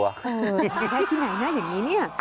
เออให้ที่ไหนมันน่ะเห็นนี้